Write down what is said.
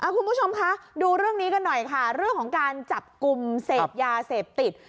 คุณผู้ชมคะดูเรื่องนี้กันหน่อยค่ะเรื่องของการจับกลุ่มเสพยาเสพติด